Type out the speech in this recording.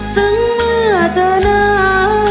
ซึ้งเมื่อจะน้ำ